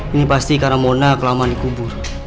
ini pasti karena mona kelamaan dikubur